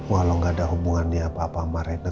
walau gak ada hubungannya apa apa sama rina